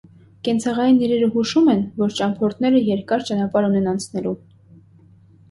Կենցաղային իրերը հուշում են, որ ճամփորդները երկար ճանապարհ ունեն անցնելու։